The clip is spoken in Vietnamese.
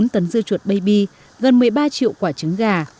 bốn tấn dưa chuột baby gần một mươi ba triệu quả trứng gà